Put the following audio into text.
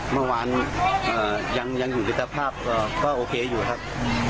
เมื่อวานยังถึงปริศนภาพก็โอเคอยู่ครับ